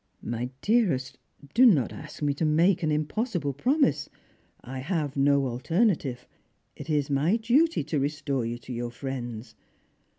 " My dearest, do not ask me to make an impossible promise. I have no alternative. It is my duty to restore you to your friends.